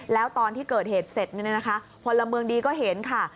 แล้วตอนที่เกิดเหตุเสร็จพลเมืองดีก็เห็นค่ะ